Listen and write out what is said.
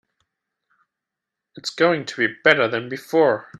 It is going to be better than before.